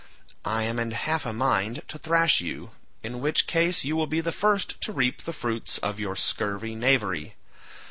I am in half a mind to thrash you, in which case you will be the first to reap the fruits of your scurvy knavery.